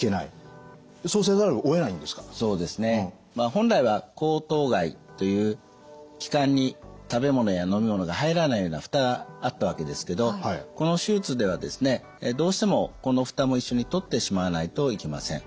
本来は喉頭蓋という気管に食べ物や飲み物が入らないような蓋があったわけですけどこの手術ではですねどうしてもこの蓋も一緒に取ってしまわないといけません。